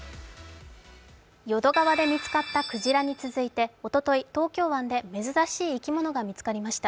淀川で見つかったクジラに続いておととい、東京湾で珍しい生き物が見つかりました。